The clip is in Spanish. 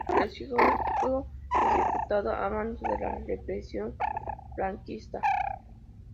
Pereció ejecutado a manos de la represión franquista.